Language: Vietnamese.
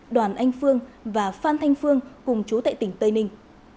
đoàn anh phương và phan thanh phương cùng chú tại tỉnh tây ninh